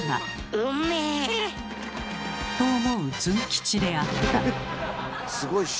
うんめぇ！と思うズン吉であった。